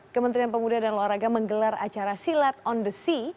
kementerian pemuda dan olahraga menggelar acara silat on the sea